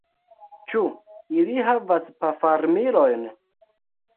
Ĉu ili havas pafarmilojn?